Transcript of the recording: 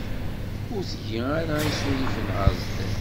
Ur tgi ara isurifen ɣer sdat.